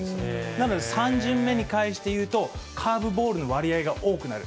なので、３巡目に関して言うと、カーブボールの割合が多くなる。